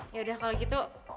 yaudah kalau gitu